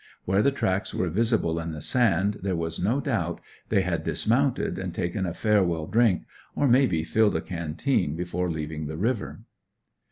Where the tracks were visible in the sand, there was no doubt, they had dismounted and taken a farewell drink, or maybe filled a canteen, before leaving the river.